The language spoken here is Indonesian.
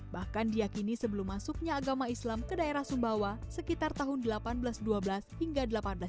bahkan diakini sebelum masuknya agama islam ke daerah sumbawa sekitar tahun seribu delapan ratus dua belas hingga seribu delapan ratus sembilan puluh